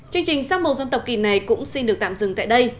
chương trình sắc màu dân tộc kỳ này cũng xin được tạm dừng tại đây